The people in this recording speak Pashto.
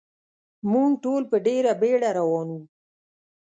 موږ ټول په ډېره بېړه روان و.